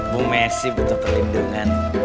bu messi butuh pelindungan